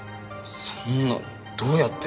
そんなどうやって？